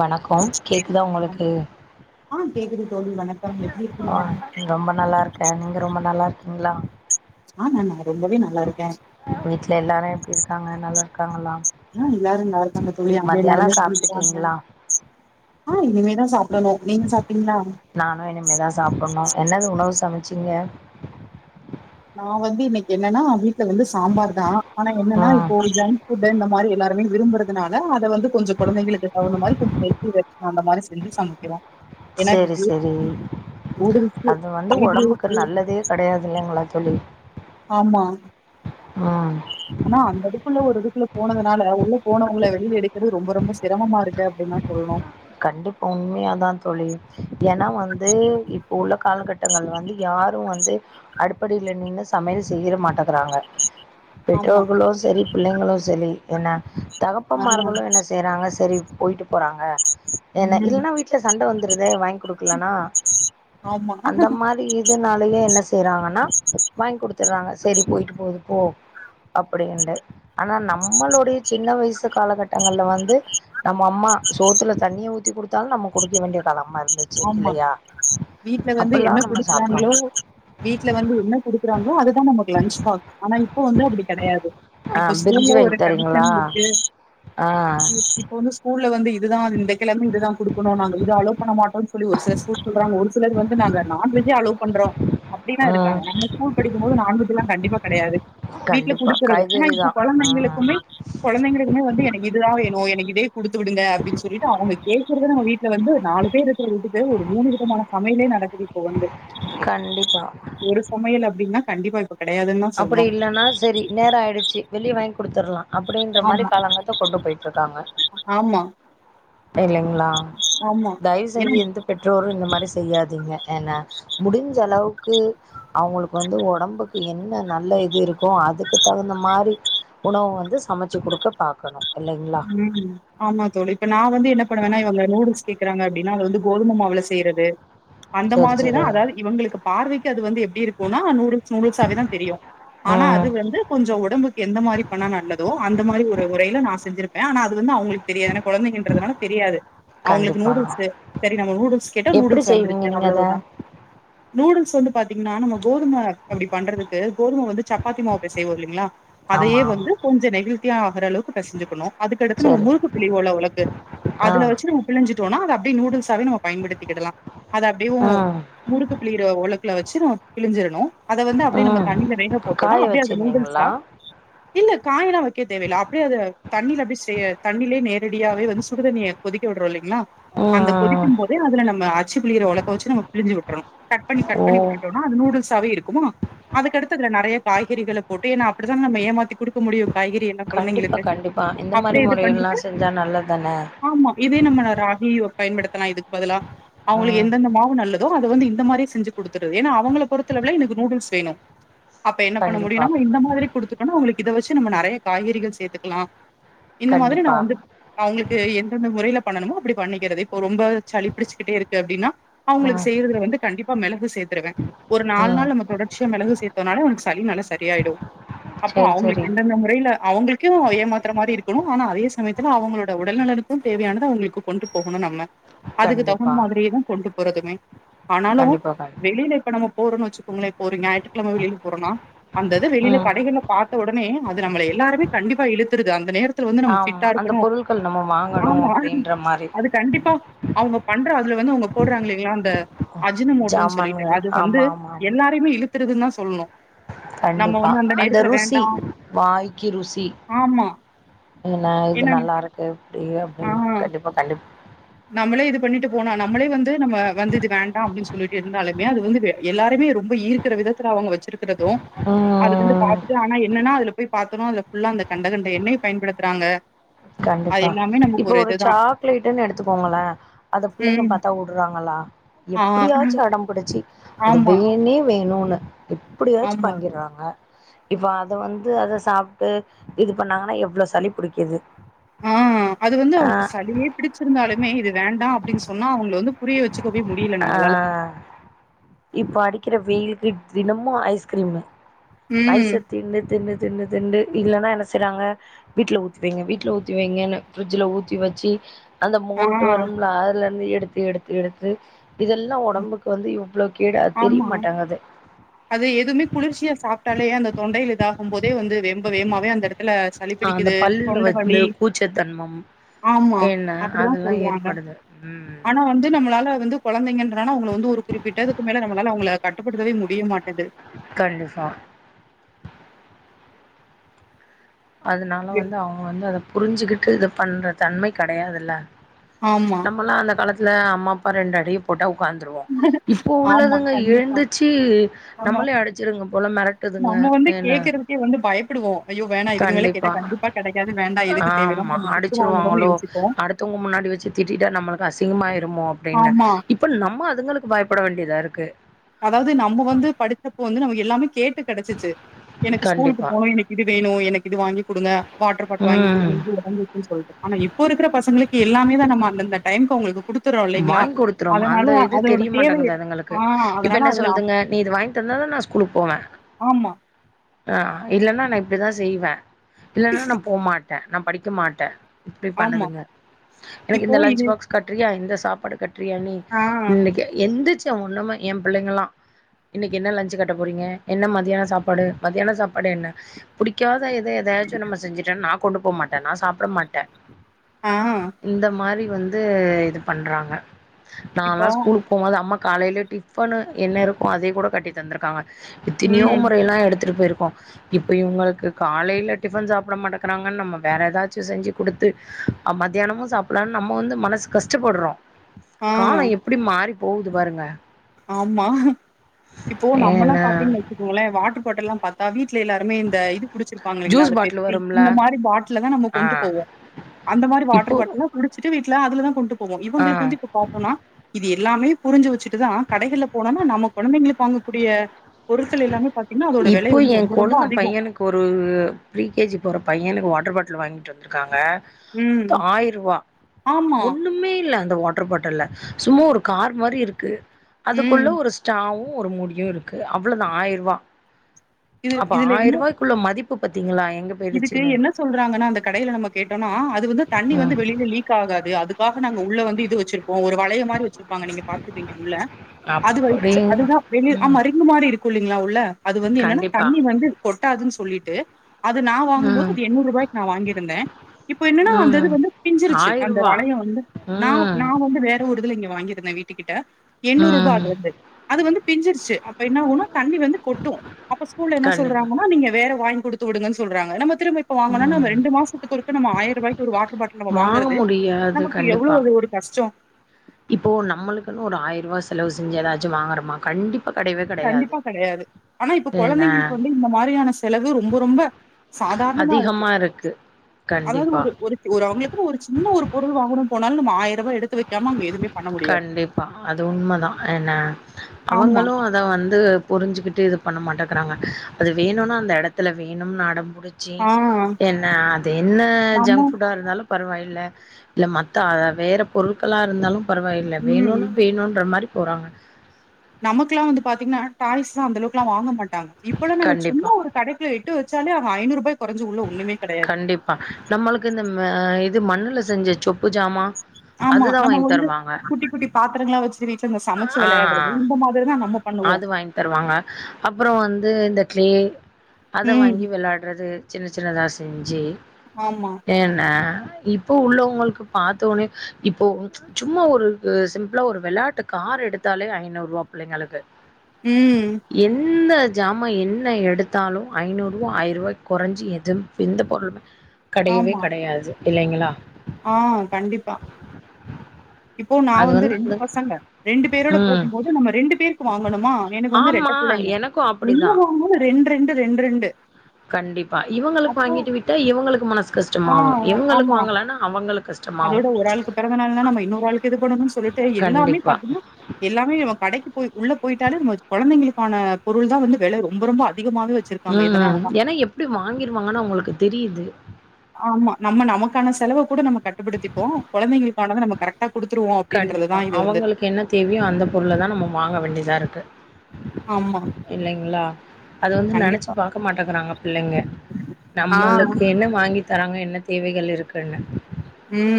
வணக்கோ கேக்குதா உங்களுக்கு ஆ கேக்குது தோழி வணக் ஆ ரொம்ப நல்லாருக்க நீங்க ரொம்ப நல்லாருக்கீங்களா ஆமா நா ரொம்பவே நல்லாருக்க வீட்ல எல்லாரு எப்டி இருக்காங்க நல்லாருக்காங்களா ஆ எல்லாரு நல்லாருக்காங்க தோழி அங்க எல்லாருமே எப்டி இருக்காங்க சாப்பிட்டுட்டீங்களா ஆ இனிமேதா சாப்டணு நீங்க சாப்டிங்களா நானு இனிமேதா சாப்டனு என்ன உணவு சமச்சிங்க நா வந்து இன்னைக்கு என்னன்னா வீட்டுல வந்து சாம்பார்தா ஆனா என்னன்னா ம் இப்போ ஜாங்க்புட் இந்த மாரி எல்லாருமே விரும்பறதுனால அத வந்து கொஞ்சோ குழந்தைகளுக்கு தவுந்த மாரி கொஞ்சோ ஹெல்த்தி ரெசி அந்த மாதிரி செஞ்சு சமைக்கிறோ ஏன்ன சரி இது சரி நூடுல்ஸ் பிரைட் நூடுல்ஸ் கெடையாது இல்லங்களா தோழி ஆமா ஆ ஆனா அந்த அதுக்குள்ள ஒரு இதுக்குல போனதுனால உள்ள போனவங்கள வெளியில எடுக்கறது ரொம்ப ரொம்ப சிரமமா இருக்கு அப்டின்தா சொல்னு கண்டிப்பாமே அதா தோழி ஏன்னா வந்து இப்போ உள்ள காலகட் டங்கள் வந்து யாரு வந்து அடுப்படில நின்னு சமையல் செய்ய மாட்டகறாங்க ஆமா பெற்றோர்களு சேரி பிள்ளைங்களு சேரி என்ன ஆ தகப்பமார்களு என்ன செ செய்றாங்க சரி போய்ட்டு போறாங்க என்ன ம் இல்லன்னா வீட்ல சண்ட வந்துருதே வாங்கி கொடுக்கலானா ஆமா அந்த மாரி இதனாலயே என்ன செய்றாங்கன்னா வாங்கி கொடுத்துடுறாங்க சரி போயிட்டு போகுது போ அப்படின்டு ஆனா நம்மளுடைய சின்ன வயசு காலகட்டங்கள்ல வந்து நம்ம அம்மா சோத்துல தண்ணிய ஊத்தி குடுத்தாலு நம்ம குடுக்க வேண்டிய காலமா இருந்துச்சு ஆமா இல்லையா வீட்ல வந்து என்ன அப்போல்லாம் நம்ம சாப்பிட்டோம் குடுக்குறாங்களோ வீட்ல வந்து என்ன குடுக்குறாங்களோ அதுதா நமக்கு லன்ச் பாக்ஸ் ஆனா இப்போ வந்து அப்படி கிடையாது ஆ இப்ப ஸ்கூல்ல பிரிஞ்சு வாங்கி ஒரு தரீங்களா கண்டிஷன் இருக்கு ஆ இப்ப வந்து ஸ்கூல்ல வந்து இதுதா இந்த கிழமை இதுதா குடுக்கணுனாங்க இது அலோ பண்ண மாட் சொல்லி ஒரு சில ஸ்கூல் சொல்றாங்க ஒரு சிலர் வந்து நாங்க நான்வெஜே அலோ பண்றோ அப்டின்னு ம் இருக்காங்க ஸ்கூல் படிக்கும் போது நான்வெஜ் எல்லா கண்டிப்பா கெடையாது வீட்ல கண்டிப்பா குடுக்கறது காய்கறி தா இப்ப ம் குழந்தைங்களுக்குமே குழந்தைங்களுக்குமே வந்து எனக்கு இதுதா வேணு எனக்கு இதே குடுத்து விடுங்க அப்டின்னு சொல்லிட்டு அவங்க கேக்குறத நம்ம வீட்ல வந்து நாலு பேர் ர் விட்டுக்கு ஒரு மூணு விதமான சமையலே நடக்குது இப்போ வந்து கண்டிப்பா இரு சமையல் அப்டின்னா கண்டிப்பா அப்ப கெடையாதுன்தா அப்டி இல்லன்னா சரி நேரோ ஆயிடுச்சு வெளிய வாங்கி கொடுத்தர்லா அப்டின்ற மாரி ஆமா காலங்காத்தா கொண்டு போயிட்ருக்காங்க ஆமா இல்லைங்களா ஆமா தயவு ஏன்னா செஞ்சு எந்த பெற்றோரு இந்த மாரி செய்யாதீங்க ஏன்னா முடிஞ்ச அளவுக்கு அவங்களுக்கு வந்து ஒடம்புக்கு என்ன என்ன நல்ல இது இருக்கோ அதுக்கு தகுந்த மாரி உணவு வந்து சமச்சு குடுக்க பாக்கணு இல்லைங்ளா ம் ஆமா தோழி இப்ப நா வந்து என்ன பண்ணுவேன்னா இவங்க நூடுல்ஸ் கேக்குறாங்க அப்டின்னா அது வந்து கோதும மாவுல செய்யறது அந்த சரி மாதிரிதா சரி அதாவது இவங்களுக்கு பார்வைக்கு அது வந்து எப்படி இருக்குனா நூடுல்ஸ் நூடுல்ஸாவேதா தெரியு ஆனா அது ம் வந்து கொஞ்சோ ஒடம்புக்கு எந்த மாரி பண்ணா நல்லதோ அந்த மாரி ஒரு உறையில நா செஞ்சிருப் வேணா அது வந்து அவுங்களுக்கு தெரியாதுன கொழந்தைங்கன்றதுனால தெரியாது அவுங்களுக்கு கண்டிப்பா நூடுல்ஸு செரி நம்ம நூடுல்ஸ் கேட்டோ எப்டி நூடுல்ஸ் செய்வீங்க வந்துருச்சு நீங்க அத அவ்ளோதா நூடுல்ஸ் வந்து பாத்தீங்கன்னா நம்ம கோதும அப்டி பண்றதுக்கு கோதும வந்து சப்பாதி மாவு பேசைவோ இல்லிங்ளா அதையே ஆமா வந்து கொஞ்சோ நெகழ்த்தியா ஆகற அளவுக்கு பேசை ஞ்சுக்குணு அதுக்கெடுத்து நம்ம சரி முறுக்கு பிளிவோள்ள உலக்கு ஆ அதுல வச்சு நம் பிழிஞ்சிட்டோனா அத அப்டியே நூடுல்ஸாவே நம்ம பயன்படுத்திக்கிடலா அது அப்டேவு ம் முறுக்கு பிளியிற ஒலக்குல வச்சு நம்ம பிழிஞ்சிடணு அத வந்து அப்டியே நம்ம ம் தண்ணியில வேக போட்டோனா காய அப்டியே அது வச்சிருவீங்களா நூடுல்ஸா இல்ல காயல்லா வைக்க தேவ இல்ல அப்டியே அது தண்ணியில அப்டி சே தண்ணிலே நேரடியாவே வந்து சுடுதண்ணியை கொதிக்க விடுறோ இல்லிங்ளா அந்த கொதிக்கு ம் ம் போதே அதுல நம்ம அச்சு புளியிற ஒலக்க வச்ச நம்ம பிளிஞ்சு விட்றுணு கட்பண்ணி கட் ஓ பண்ணி விட்டுட்டோ னா அது நூடுல்ஸாவவே இருக்குமா அதுக்கெடுத்து அதுல நெறைய காய்கறிகளை போட்டு ஏனா அப்டித்தா நம்ம ஏமாத்தி குடுக்க முடியு காய்கறி எல்லா கொழந்தைங்களுக்கு அப்ப இந்த மாரி முறைகள்லா செஞ்சா நல்லதான ஆம்மா இதே நம்மள ராகியோ பயன்படுத்தலா இதுக்கு பதிலா அவுங்களுக்கு ம் எந்தெந்த மாவு நல்லதோ அத வந்து இந்த மாரி செஞ்சு குடுத்துருது ஏனா அவுங்களளை பொறுத்தவல எனக்கு நூடுல்ஸ் வேணு அப்ப என்ன பண்ண கண்டிப்பா முடியுனா இந்த மாதிரி குடுத்துட்டோனா உங்களுக்கு இத வச்சு நம்ம நெறைய காய்கறிகள் சேத்துக்குலா இந்த மாதிரி நா கண்டிப்பா வந்து அவுங்களுக்கு எந்தெந்த முறையில பண்ணணுமோ அப்டி பண்ணிக்கிறது இப்போ ரொம்ப சளி பிடிச்சுக்கிட்டே இருக்கு அப்டின்னா அவுங்களுக்கு ம் செய்யறதுல வந்து கண்டிப்பா மெளகு சேத்துருவே ஒரு நால் ம் நாள் நம்ம தொடர்ச்சியா மெளகு சேத்தோனால அவனுக்கு சளி நல்லா சரியாயிடு அப்போ சேரி அவுங்களுக்கு சேரி எந்தெந்த முறையில அவுங்களுக்கு ஏமாத்தற மாரி இருக் இருக்கு ஆனா அதே சமயத்துல அவுங்களோட உடல் நலனுக்கு தேவையானது அவுங்களுக்கு கொண்டு போகணு நம்ம அதுக்கு தகுந்த கண்டிப்பா மாதிரியே தா கொண்டு போறதுமே ஆனாலு கண்டிப்பா கண் வெளியில இப்ப நம்ம போறோ வச்சுகோங்களே இப்போ ஒரு ஞாயிற்றுக்கிழம வெளில போறோன்னா அந்த இது வெளில ம் கடைகள்ல பாத்த உடனே அது நம்மள எல்லாருமே கண்டிப்பா இழுத்துருது அந்த நேர் நம்ம ஃபிட்டா ஆமா அந்த இருக்குணு பொருட்கள் நம்ம வாங்கணு ஆமா அப்டின்ற மாரி அது கண்டிப்பா அவுங்க பண்ற அதுல வந்து அவுங்க போடுறாங்லிங்ளா அந்த அஜினோ மோட்டோனு சொல்லிட்டு ஜாமான்கள் அது வந்து ஆமா ஆமா என் ஆமா எல்லாரயுமே இழுத்துறுதுனுதா சொல்ணு கண்டிப்பா அந்த ருசி வாய்க்கி ருசி ஆமா ஏனா இது என்னங்க நல்லா இருக்கு இப்டி அப்டி ஆ கண்டிப்பா கண்டிப் நம்மளே இது பண்ணிட்டு போனா நம்மளே வந்து நம்ம வந்து இது வேண்டா அப்டின்னு சொல்லிட்டு இருந்தாலுமே அது வந்து வே எல்லாருமே ரொம்ப ஈர்க்கிற விதத்துல அவுங்க வச்சிருக்கிறது அதுக்கு வந்து ம் பாத்துட்டு ஆனா என்னன்னா அதுல போய் பாத்தோனா அதுல ஃபுல்லா அந்த கண்ட கண்ட எண்ணெய பயன்படுத் துறாங்க கண்டிப்பா இப்போ ஒரு ஜாக்லேட்டுன் எடுத்துக்கோங்கள அத பிள்ளைங்க ம். பாத்தா உடுறாங்களா ஆ. எப்டியாச்சி அடோ புடிச்சி அது ஆமா, வேணே வேணுனு எப்டியாச்சு ஆமா. வாங்கிறாங்க இப்ப அத வந்து அத சாப்ட்டு இது பண்ணாங்கனா எவ்ளோ சளி பிடிக்குது ஆ அது வந்து அவுங் சளியே பிடிச்சிருந்தாலுமே இது வேண்டா அப்டின் சொன்னா அவுங்கள வந்து புரிய வச்சுக்கவே முடியல அ நம்மளால. இப்ப அடிக்கிற வெயிலுக்கு தினமு ஐஸ்கிரீமு ம். ஐஸ தின்னு தின்னு தின்னு தின்டு இல்லினா என்ன செய்றாங்க வீட்ல ஊத்தி வைங்க வீட்ல ஊத்தி வைங்கனு ஃபிரிட்ஜுல ஊத்தி வச்சி அந்த ஆ. மோல்ட்டு வரும்ல அதுல இருந்து எடுத்து எடுத்து எடுத்து இதெல்லா ஒடம்புக்கு வந்து இவ்ளோ கேடு அது ஆமா. தெரியமாட்டேங்கது அது எதுமே குளிர்ச்சியா சாப்ட்டாலே அந்த தொண்டையில இதாகும் போதே வந்து ரொம்ப வேவமாவே அந்த எடத்துல சளி அந்த பிடிக்குது பல்லுல தொண்ட வலி வந்து கூச்சத்தன்மம் ஆமா என்ன அப்டிதா அதெல்லா சொல்றாங்க ஏற்படுது ம் ஆனா வந்து நம்மளால வந்து கொழந்தைங்கன்றனாலா அவுங்கள வந்து ஒரு குறிப்பிட்ட அதுக்கு மேல நம்மளால அவுங்கள கட்டுப்படுத்தவே முடிய மாட்டேன்து கண்டிப்பா அதுனால வே வந்து அவுங்க வந்து அத புரிஞ்சிக்கிட்டு இது பண்ற தன்மை கெடையாதுல்ல ஆமா, நம்மல்லா‌ அந்த காலத்துல அம்மா அப்பா ரெண்டு அடிய போட்டா உக்காந்துருவோ இப்போ ஆமா. உள்ளதுங்க கண்டிப்பா. எழுந்திச்சி நம்ம நம்மளே அடிச்சிருங்க போல மெரட்டுதுங்க என்ன க்கே வந்து பயப்புடுவோ ஐயோ வேணா இதுக்கு மேல கேட்டா கண்டிப்பா கெடைக்காது வேண்டா எதுக்கு தேவையில்லாம நம்ம திட்டு வாங்கணுன்னு யோசிப்போ மத்தவங்க முன்னாடி வச்சி திட்டிட்டா நம்மளுக்கு அசிங்கமா ஆயிருமோ அப்டின்னு ஆமா. இப் போ நம்ம அதுங்களுக்கு பயப்பட வேண்டியதா இருக்கு அதாவது நம்ம வந்து படிச்சப்போ வந்து நமக்கு எல்லாமே கேட்டு கெடைச்சிச்சி எனக்கு ஸ்கூலுக்கு கண்டிப்பா போனு எனக் இது வேணு எனக்கு இது வாங்கி குடுங்க வாட்டர் பாட்லு வாங்கி ம் குடுங்கன் அப்டின் சொல்ட்டு ஆனா இப்போ இருக்கிற பசங்களுக்கு எல்லாமே தா நம்ம அந்தந்த டைம்க்கு அவுங்களுக்கு குடு வாங்கி குடுத்துருவோம் அந்த இது தேவை தெரியமாட்டேங்குது அதுங்களுக்கு ஆ இப்ப அதனால என்ன அதுல அ- சொல்லுதுங்க நீ இது வாங்கி தந்தாதா நா ஸ்கூலுக்கு போவே ஆமா ஆ இல்லனா நா இப்டித்தா செய்வே இல்லனா நா போமாட் ட நா படிக்க மாட்ட இப்டி ஆமா பண்ணுதுங்க எனக்கு இப்போ இந்த லஞ்ச் இது பாக்ஸ் கட்டுறியா இந்த சாப்பாடு கட்றியா நீ ஆ இன்னைக்கு எந்திச்ச ஒண்ணுமே ஏ பிள்ளைங்கல்லா இன்னைக்கி என்ன லஞ்சு கட்ட போறீங்க என்ன மதியானோ சாப்பாடு மதியானோ சாப்பாடு என்ன புடிக்காத எத எதயாச்சு நம்ம செஞ்சுட்டேன்னா நா‌ கொண்டு போ மாட்டே நா சாப்ட மாட்டே ஆ இந்த மாரி வந்து இது பண்றாங்க நாலா இப்போ ஸ்கூலுக் போம்போது அம்மா காலைல டிஃபன்னு என்ன இருக்கு அதே கூட கட்டித் தந்துருக்காங்க எத்தினியோ ம் முற இதெல்லா எடுத்துட்டு போயிருக்கோ இப்போ இவுங்களுக்கு காலையில டிஃபன் சாப்புட மாட்டேங்கிறாங்கன்னு நம்ம வேற ஏதாச்சு செஞ்சுக் குடுத்து ஆ மத்தியானமு சாப்டல ஆனா நம்ம வந்து மனசு கஷ் ச்சப்பட்றோ ஆ காலோ எப்டி மாறி போவுது பாருங்க ஆமா இப்போ நம்மள்லா ஏன்னா பாத்தீங்கன்னு வச்சுக்கோங்களே வாட்ரு பாட்டில் எல்லா பாத்தா வீட்ல எல்லா ருமே இந்த இது குடிச்சிருப்பாங்க இல்லிங்களா ஜூஸ் அந்த பாட்டில் பெப்சி வரும்ல இந்த மாரி பாட்டில தா நம்ம ஆ கொண்டு போவோ அந்த மாரி வாட்ரு இப்போ பாட்டில்லா குடிச்சிட்டு வீட்ல அதுலதா கொண்டு போவோ ஆ இவுங்களுக்கு வந்து இப்ப பாத்தோம்னா இது எல்லாமே புரிஞ்சு வச்சிட்டு தா கடைகள்ல போனோம்னா நம்ம கொழந்தைங்களுக்கு வாங்கக்கூடிய பொருட்கள் எல்லாமே பாத்தீங்கனா அதோட வெலை இப்போ வந்து எ ரொம்ப ரொம்ப கொழுந்த அதிகோ பையனுக்கு ஒரு ப்ரீ கே ஜி போற பையனுக்கு வாட்டர் பாட்டில் வாங்கிட்டு வந்துருக்காங்க ம் து ஆயிரூவா ஆமா ஒண்ணுமே இல்ல அந்த வாட் ரு பாட்டில்ல சும்மா ஒரு கார் மாரி இருக்கு ம் அதுக்குள்ள ஒரு ஸ்டாவு ஒரு மூடியு இருக்கு அவ்ளோ தா ஆயிர்ரூவா இது அப்ப இதுல ஆயிர் என்ன ரூவாய்க்குள்ள மதிப்பு பாத்தீங்களா எங்க இதுக்கு போயிடுச்சுன்னு என்ன சொல்றாங்கன்னா அந்த கடையில நம்ம கேட்டோம்னா அது வந்து தண்ணி வந்து ம் வெளியில லீக் ஆகாது அதுக் காக நாங்க உள்ள வந்து இது வச்சிருப்போ ஒரு வளையம் மாரி வச்சிருப்பாங்க நீங்க பாத்துருப்பீங்க உள்ள அது அப்டி வைச்சு அதுதா வெளிய ம் ஆமா ரிங்கு மாரி இருக் குளிங்க்ளா உள்ள அது வந்து என்னன்னா கண்டிப்பா தண்ணி வந்து கொட்டாதுன் சொல்லிட்டு அது நா வாங்கும்போது ம் அது எண்ணூ ரூபாய்க்கு நா வாங்கிருந்தே இப்போ என்னன்னா அந்தது ம் வந்து பிஞ்சிருச்சு அந்த ஆயிரூவா வளையோ வந்து நா ம் நா வந்து வே ற ஒரு இதுல இங்க வாங்கிருந்தே வீட்டு கிட்ட எண்ணூரூபா ம் அது வந்து அது வந்து பிஞ்சிருச்சு அப்ப என்ன ஆவுனு தண்ணி வந்து கொட்டூ அப்போ ஸ்கூல என்ன கண்டிப்பா சொல்றாங்கனா நீங்க வேற வாய்ங்க் குடுத்து வுடுங்கன் சொல்றாங்க நம்ம திரும்ப இப்ப வாங்குனா நாம ம் ரெண்டு மாசத்துக்கு ஒருக்க நம்ம ஆய ரூவாய்க்கு ஒரு வாட்ரு பாட் நம்ம வாங்க வாங்கறது முடியாது நமக்கு எவ்ளோ கண்டிப்பா அது ஒரு கஷ்டோ இப்போ நம்மளுக்குனு ஒரு ஆய ரூவா செலவு செஞ்சு ஏதாச்சு வாங்கறமா கண்டிப் பா கடையவே க கண்டிப்பா கடையாது ஆனா இப்ப கொழந்தைங்களுக்கு வந்து இந்த மாரியான செலவு ரொம்ப ரொம்ப சாதாரணமா இருக்கு அதிகமாருக்கு அதாவது கண்டிப்பா ஒரு ஒரு ஒரு அவங்களுக்குனு ஒரு சின்ன ஒரு பொருள் வாங்கணு போனாலே நம்ம ஆய ரூபா எடுத்து வைக்காம அங்க எதுவுமே பண்ண முடியா பா அது உண்மதா என்ன ஆமா அவங்களு அ ந்த வந்து புரிஞ்சுக்கிட்டு இது பண்ண மாட்டக்கறாங்க அது வேணுனா அந்த எடத்துல வேணும்னு அடம் புடி ச்சி ஆ என்ன அது என்ன நம்ம ஜங்க் ஃபுட்டா இருந்தாலு பரவாயில்ல இல்ல மத்த ஆ வேற பொருள்களா இருந்தாலு பரவாயில்ல ம் வேணுன்னா வேணுன்ற மாரி போறாங்க நமக்குலா வந்து பாத்தீங்கன்னா டாய்ஸ்ல்லா அந்த அளவுக்குலா வாங்க மாட்டாங்க இப்பல்லா நம்ம கண்டிப்பா, சும்மா ஒரு கடை க்கு எட்டு வச்சாலே அக ஐநூ ரூபாய் கொறஞ்சு உள்ள ஒண்ணுமே கடையாது கண்டிப்பா நம்மளுக்கு இந்த ம இது மண்ணுல செஞ்ச சொப்பு ஜாமா ஆமா நம்ம வந்து குட்டி குட்டி பாத்திரங்களா வச்சு ரிச்சு அந்த சமச்சு ஆ வெளையாட்றது இந்த மாதிரிதா நம்ம பண்ணுவோ அது வாங்கி தருவாங்க அப்புறோ வந்து இந்த க்ளே அத ம் வாங்கி விளாட்றது சின்ன சின்னதா செஞ்சு ஆமா ஏனா இப்போ உள்ளவங்களுக்கு பாத்தோனே இப்போது சும்மா ஒரு வு சிம்ப்ளா ஒரு வெளாட்டு கார் எடுத்தாலே ஐநூரூவா பிள்ளைங்களுக்கு ம் எந்த ஜாமா என்ன எடுத்தாலு ஐநூறுவா ஆய ரூவாய்க் கொறைஞ்சி எதும் எந்த பொருளு கடையவே ஆமா கடையாது இல்லைங்களா ஆ கண்டிப்பா இப்போ நா அது வந்து ரெண்டு அது பசங்க ரெண்டு பேரோட ம் போகும்போது நம்ம ரெண்டு பேரு க்கு வாங்கணுமா எனக்கு வந்து ரெட்ட ஆமா பிள்ளங்க எனக்கு என்ன அப்டிதா வாங்கமோது ரெண்டு ரெண்டு ரெண்டு ரெண்டு கண்டிப்பா இவங்களுக்கு அப்போ வாங்கிட்டு விட்டா இவங்களுக்கு மனசு கஷ்டமா ஆ ஆவு இவங்களுக்கு ஆமா வாங்கலனா அவங்களு அதோட ஒரு ஆளுக்கு பிறந்த நாள்னா நம்ம இன்னொரு ஆளுக்கு இது பண்ணுன்னு சொல்லிட்டு எல்லாமே கண்டிப்பா பாத்தோனா எல்லாமே நம்ம கடைக்கு போய் உள்ள போயிட்டாலே மொத் கொழந்தைளுக்கான பொருள் தா வந்து வெலை ரொம்ப ரொம்ப அதிகமாவே வச்சிருக்காங்க ம் இதனாலதா ஏனா எப்டி வாங்கிருவாங்கன்னு அவங்களுக்கு தெரியிது ஆமா நம்ம நமக்கான செலவ கூட நம்ம கட்டுப்படுத்திப்போ கொழந்தைளுக்கானத நம்ம கரெக் ட்டா குடுத்துருவோ கண்டிப்பா. அப்டின்றதுதா இது வந்து அவங்களுக்கு என்ன தேவையோ அந்த பொருளதா நம்ம வாங்க வேண்டியதா இருக்கு ஆமா இல்லைங்களா அது வந்து நெனச்சு கண்டிப்பா பாக்க மாட்டக்கறாங்க பிள்ளைங்க ஆ நம்மளுக்கு என்ன வாங்கி தராங்க என்ன தேவைகள் இருக்குனு ம்